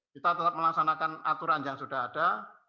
kita tetap melaksanakan aturan yang sudah ada